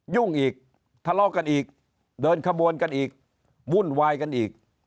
ยุ่งอีกทะเลาะกันอีกเดินขบวนกันอีกวุ่นวายกันอีก